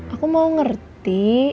aku mau ngerti